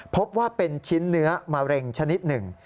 พบว่าเป็นชิ้นเนื้อมะเร็งชนิดหนึ่ง